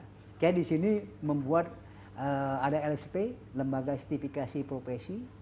sejak di sini membuat ada lsp lembaga setifikasi profesi